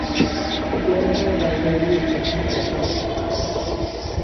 მთლიანადაა დანგრეული ეკლესიის დასავლეთ მხარე.